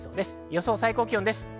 予想最高気温です。